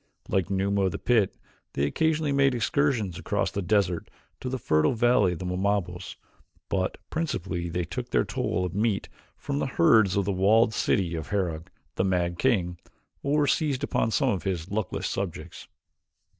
Like Numa of the pit they occasionally made excursions across the desert to the fertile valley of the Wamabos, but principally they took their toll of meat from the herds of the walled city of Herog, the mad king, or seized upon some of his luckless subjects.